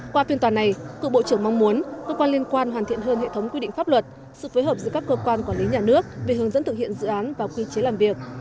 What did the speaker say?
qua phiên tòa này cựu bộ trưởng mong muốn cơ quan liên quan hoàn thiện hơn hệ thống quy định pháp luật sự phối hợp giữa các cơ quan quản lý nhà nước về hướng dẫn thực hiện dự án và quy chế làm việc